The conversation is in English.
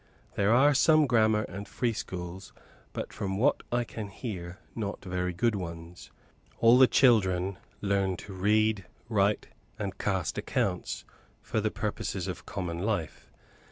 There are some grammar and free schools; but, from what I hear, not very good ones. All the children learn to read, write, and cast accounts, for the purposes of common life.